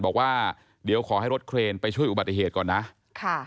บอกว่าเดี๋ยวขอให้รถเครนไปช่วยอุบัติเหตุก่อนนะค่ะ